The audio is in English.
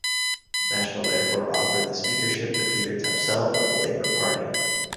National therefore offered the Speakership to Peter Tapsell of the Labour Party.